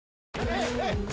はい！